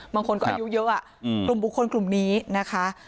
บางคนก็อายุเยอะกลุ่มบุคคลกลุ่มนี้นะคะ